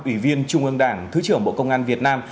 ủy viên trung ương đảng thứ trưởng bộ công an việt nam